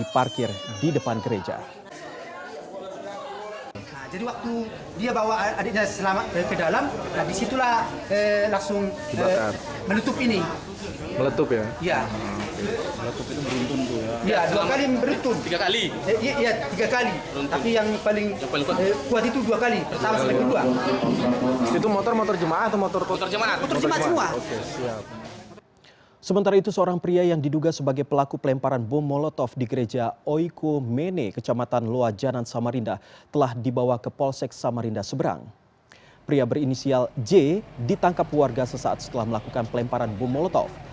pria berinisial j ditangkap warga sesaat setelah melakukan pelemparan bom molotov